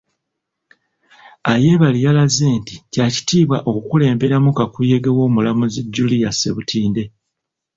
Ayebare yalaze nti kya kitiibwa okukulemberamu kakuyege w'omulamuzi Julia Ssebutinde .